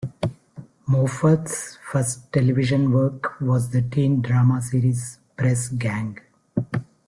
Moffat's first television work was the teen drama series "Press Gang".